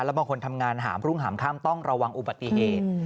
แล้วบางคนทำงานหามรุ่งหามค่ำต้องระวังอุบัติเหตุ